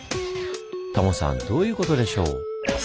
タモさんどういうことでしょう？